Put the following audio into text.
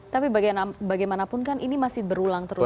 tapi bagaimanapun kan ini masih berulang terus